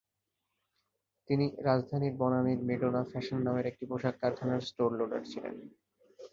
তিনি রাজধানীর বনানীর Madonna fashion নামের একটি পোশাক কারখানার স্টোর লোডার ছিলেন।